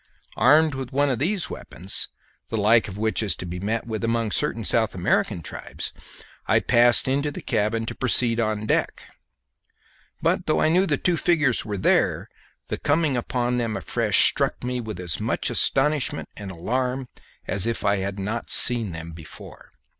Armed with one of these weapons, the like of which is to be met with among certain South American tribes, I passed into the cabin to proceed on deck; but though I knew the two figures were there, the coming upon them afresh struck me with as much astonishment and alarm as if I had not before seen them.